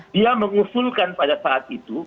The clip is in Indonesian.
dia mengusulkan pada saat itu